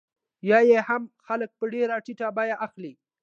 یا یې هم خلک په ډېره ټیټه بیه اخلي